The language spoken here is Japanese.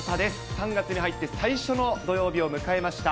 ３月に入って最初の土曜日を迎えました。